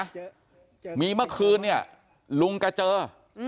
เจอมีเมื่อคืนเนี่ยลุงแกเจออืม